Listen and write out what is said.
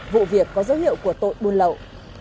vụ việc có dấu hiệu của tội buôn lậu